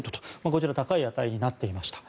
こちらは高い値になっていました。